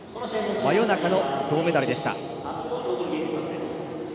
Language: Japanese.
真夜中の銅メダルでした。